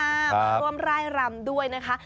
มาร่วมร่ายรำด้วยนะคะ